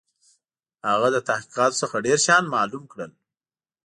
هغه له تحقیقاتو څخه ډېر شيان معلوم کړل.